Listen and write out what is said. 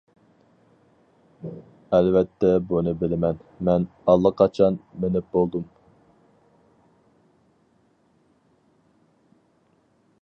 ئەلۋەتتە بۇنى بىلىمەن، مەن ئاللىقاچان مىنىپ بولدۇم.